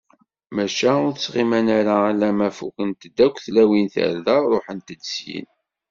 Maca ur ttɣiman ara, alamma fukkent-d akk tlawin tarda, ṛuḥent-d syin.